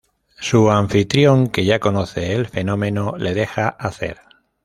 Su anfitrión, que ya conoce el fenómeno, le deja hacer.